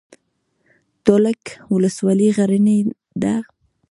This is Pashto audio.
تولک ولسوالۍ غرنۍ ده؟